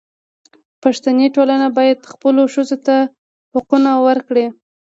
پښتني ټولنه باید خپلو ښځو ته حقونه ورکړي.